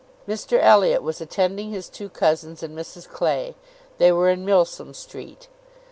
Mr Elliot was attending his two cousins and Mrs Clay. They were in Milsom Street.